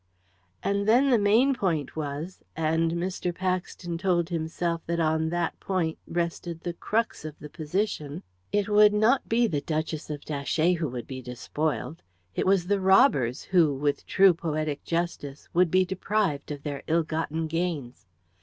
And then the main point was and Mr. Paxton told himself that on that point rested the crux of the position it would not be the Duchess of Datchet who would be despoiled; it was the robbers who, with true poetic justice, would be deprived of their ill gotten gains.